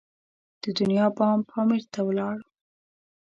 د دنیا بام پامیر ته ولاړو.